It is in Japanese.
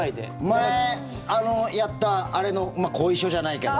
前やったあれの後遺症じゃないけど。